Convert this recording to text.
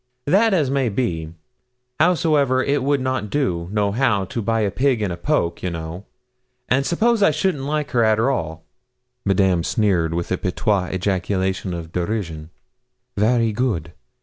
'That's as may be; howsoever, it would not do, nohow, to buy a pig in a poke, you know. And s'pose I shouldn't like her, arter all?' Madame sneered, with a patois ejaculation of derision. 'Vary good!